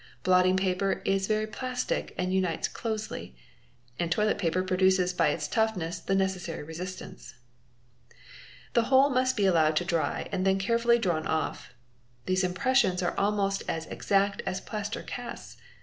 Blotting paper is very plastic and unites closely;.and toilet paper produces by its toughness the necessary resistance. 4 The whole must be allowed to dry and then carefully drawn off. These impressions are almost as exact as plaster casts.